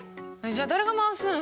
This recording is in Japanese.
じゃあ誰が回すん？